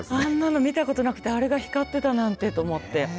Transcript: あんなの見たことなくてあれが光っていたなんて。